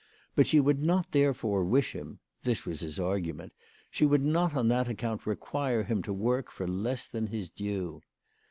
But she would not therefore wish him, this was his argument, she would not on that account require him to work for less than his due.